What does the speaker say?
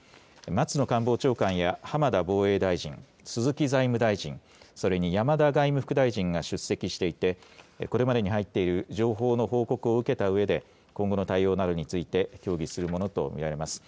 松野官房長官や浜田防衛大臣鈴木財務大臣それに山田外務副大臣が出席していてこれまでに入っている情報の報告を受けたうえで今後の対応などについて協議するものと見られます。